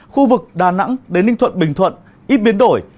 khu vực đà nẵng đến ninh thuận bình thuận ít biến đổi